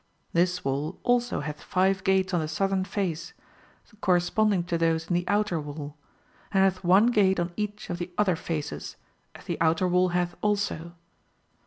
This wall also hath five o ates o on the southern face, corresponding to those in the outer wall, and hath one gate on each of the other faces, as the outer wall hath also.